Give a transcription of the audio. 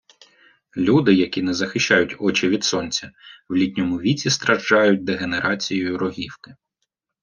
Люди, які не захищають очі від сонця, в літньому віці страждають дегенерацією рогівки